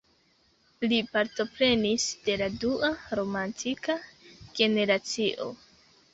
Li partoprenis de la dua romantika generacio.